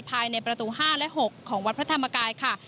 ภายในประตู๕และ๖ของวัดพระธรรมกายค่ะ